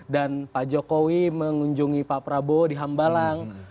dan pak jokowi mengunjungi pak prabowo di hambalang